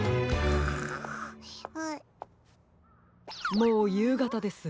もうゆうがたです。